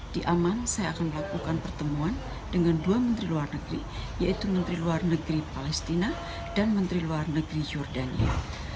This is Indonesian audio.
di aman saya akan melakukan pertemuan dengan dua menteri luar negeri yaitu menteri luar negeri palestina dan menteri luar negeri jordania